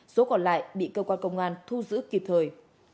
số còn lại bị cơ quan công an thu giữ kịp thời